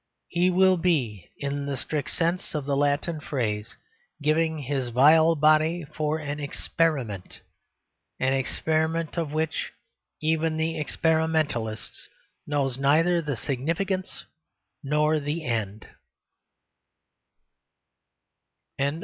He will be, in the strict sense of the Latin phrase, giving his vile body for an experiment an experiment of which even the experimentalist knows neither the significance nor the end.